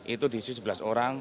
itu di situ sebelas orang